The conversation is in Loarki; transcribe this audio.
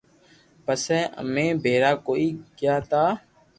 پسي امي ڀيراڪوئي گيا تا